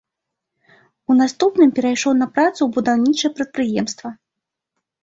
У наступным перайшоў на працу ў будаўнічае прадпрыемства.